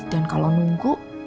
dan kalau nunggu